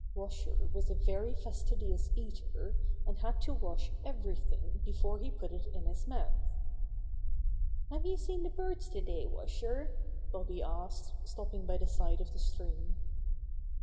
Washer was a very fastidious eater, and had to wash everything before he put it in his mouth. "Have you seen the birds today, Washer?" Bobby asked, stopping by the side of the stream.